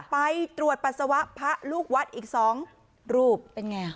ไปตรวจปัสสาวะพระลูกวัดอีก๒รูปเป็นไงอ่ะ